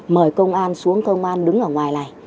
mời công an xuống công an đứng ở ngoài này